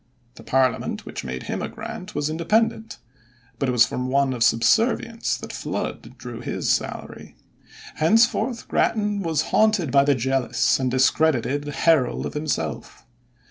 The parliament which made him a grant was independent, but it was from one of subservience that Flood drew his salary. Henceforth Grattan was haunted by the jealous and discredited herald of himself.